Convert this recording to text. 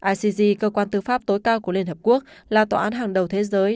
icg cơ quan tư pháp tối cao của liên hợp quốc là tòa án hàng đầu thế giới